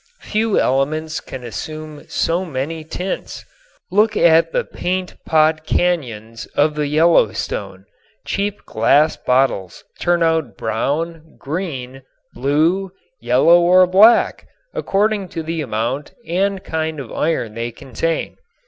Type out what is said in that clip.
Few elements can assume so many tints. Look at the paint pot cañons of the Yellowstone. Cheap glass bottles turn out brown, green, blue, yellow or black, according to the amount and kind of iron they contain.